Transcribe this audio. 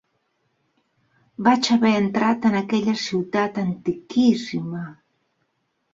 Vaig haver entrat en aquella ciutat antiquíssima